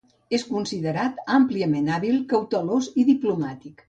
És considerat àmpliament hàbil, cautelós i diplomàtic.